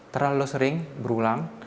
terlalu sering berulang